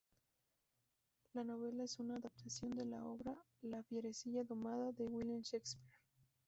La novela es una adaptación de la obra "La fierecilla domada" de William Shakespeare.